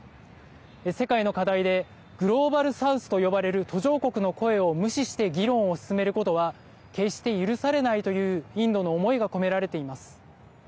世界の課題でグローバル・サウスと呼ばれる途上国の声を無視して議論を進めることは決して許されないというインドの思いが込められています。